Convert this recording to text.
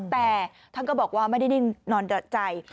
แต่ท่านก็บอกว่าไม่ได้นิ่งนอนใจ